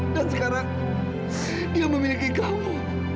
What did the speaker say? dan sekarang dia memiliki kamu